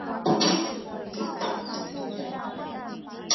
皮拉库鲁卡是巴西皮奥伊州的一个市镇。